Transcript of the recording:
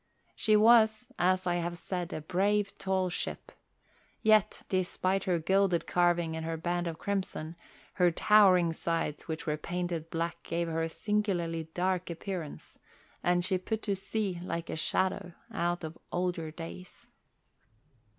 She was, as I have said, a brave tall ship, yet, despite her gilded carving and her band of crimson, her towering sides which were painted black gave her a singularly dark appearance, and she put to sea like a shadow out of older days.